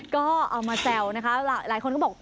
ก็เอามาแซวนะคะหลายคนก็บอก